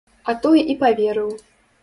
А той і паверыў.